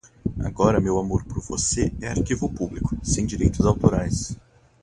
Agora meu amor por você é arquivo público, sem direitos autorais